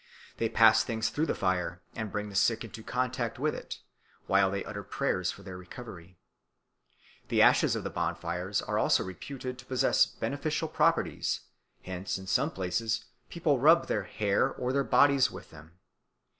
They pass things through the fire, and bring the sick into contact with it, while they utter prayers for their recovery. The ashes of the bonfires are also reputed to possess beneficial properties; hence in some places people rub their hair or their bodies with them.